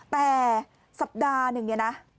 แต่สัปดาห์หนึ่งเนี่ยนะ